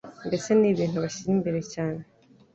mbese ni ibintu bashyira imbere cyane.